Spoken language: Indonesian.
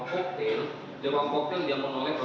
hotel di ruang hotel dia menolakkan